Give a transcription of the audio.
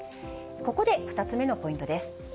ここで２つ目のポイントです。